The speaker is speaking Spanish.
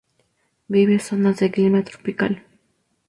Vive zonas de clima tropical.